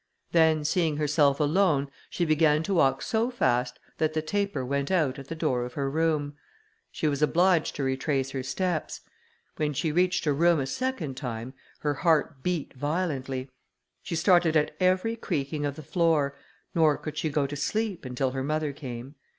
Then, seeing herself alone, she began to walk so fast that the taper went out at the door of her room. She was obliged to retrace her steps. When she reached her room a second time, her heart beat violently; she started at every creaking of the floor, nor could she go to sleep, until her mother came.